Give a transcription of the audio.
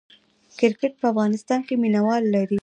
کرکټ په افغانستان کې مینه وال لري